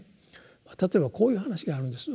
例えばこういう話があるんです。